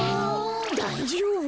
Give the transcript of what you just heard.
だいじょうぶ？